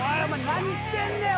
何してんねん！？